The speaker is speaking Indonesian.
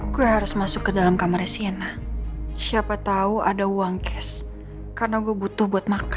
gue harus masuk ke dalam kamarnya siena siapa tahu ada uang cash karena gue butuh buat makan